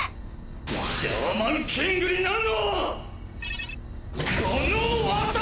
シャーマンキングになるのはこの私だ！！